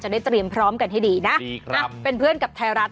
ได้เตรียมพร้อมกันให้ดีนะดีครับเป็นเพื่อนกับไทยรัฐ